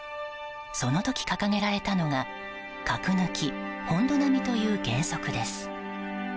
その時、掲げられたのが核抜き・本土並みという原則です。